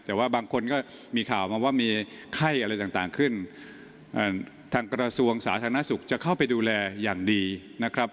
แต่ว่าบางคนก็มีข่าวมาว่ามีไข้อะไรต่างขึ้นทางกระทรวงสาธารณสุขจะเข้าไปดูแลอย่างดีนะครับ